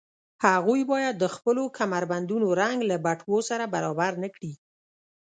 هغوی باید د خپلو کمربندونو رنګ له بټوو سره برابر نه کړي